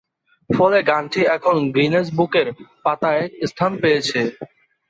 ফলে গানটি এখন গিনেস বুকের পাতায় স্থান পেয়েছে।